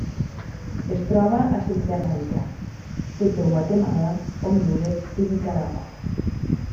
Es troba a Centreamèrica: sud de Guatemala, Hondures i Nicaragua.